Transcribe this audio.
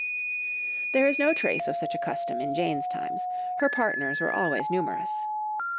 There is no trace of such a custom in Jane's times, her partners were always numerous.